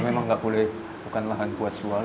ya memang nggak boleh bukan lahan buat jual lah